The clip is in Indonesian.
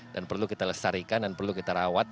dan perlu kita lestarikan dan perlu kita rawat